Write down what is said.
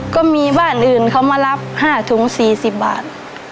ก็มีบ้านอื่นเขามารับ๕ถุง๔๐บาท